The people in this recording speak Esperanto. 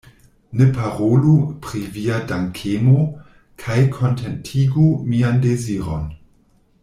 Ne parolu pri via dankemo, kaj kontentigu mian deziron.